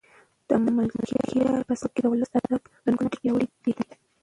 د ملکیار په سبک کې د ولسي ادب رنګونه ډېر پیاوړي دي.